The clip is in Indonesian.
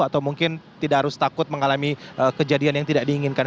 atau mungkin tidak harus takut mengalami kejadian yang tidak diinginkan